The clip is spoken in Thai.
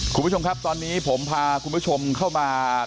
คุณผู้ชมครับตอนนี้ผมพาคุณผู้ชมเข้ามา